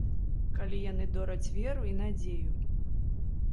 Калі яны дораць веру і надзею.